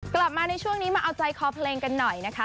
กลับมาในช่วงนี้มาเอาใจคอเพลงกันหน่อยนะคะ